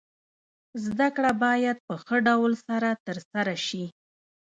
زده کړه باید په ښه ډول سره تر سره سي.